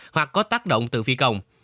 hoặc có tác động từ phi công